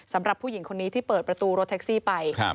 สำหรับผู้หญิงคนนี้ที่เปิดประตูรถแท็กซี่ไป